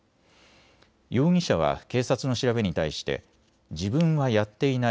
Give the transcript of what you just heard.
容疑者は警察の調べに対して自分はやっていない。